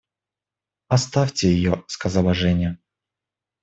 – Оставьте ее, – сказала Женя.